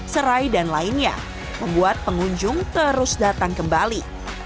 serai dan lainnya membuat pengunjung terus datang kembali